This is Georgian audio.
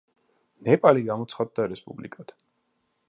ნეპალი გამოცხადდა რესპუბლიკად.